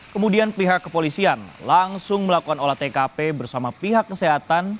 kemudian pihak kepolisian langsung melakukan olah tkp bersama pihak kesehatan